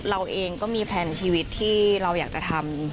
เราเองก็มีแพลนชีวิตที่เราอยากจะทำ